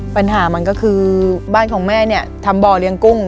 ปัญหามันก็คือบ้านของแม่เนี่ยทำบ่อเลี้ยงกุ้ง